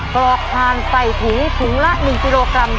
ปลอกทานไฟถี๋ถึงละ๑กิโลกรัม